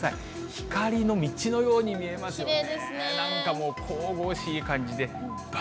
光の道のように見えますよね。